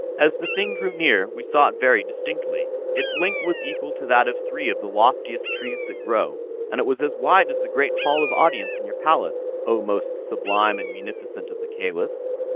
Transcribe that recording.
"'As the thing drew near we saw it very distinctly. Its length was equal to that of three of the loftiest trees that grow, and it was as wide as the great hall of audience in your palace, O most sublime and munificent of the Caliphs.